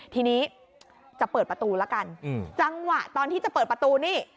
ทีนี้จะเปิดประตูละกันจังหวะตอนที่จะเปิดประตูนี่